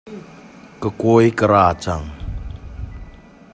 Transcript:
Ka kawi ka raal cang.